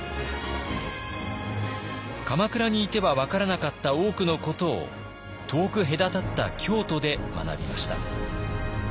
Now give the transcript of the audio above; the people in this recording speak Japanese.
鎌倉にいては分からなかった多くのことを遠く隔たった京都で学びました。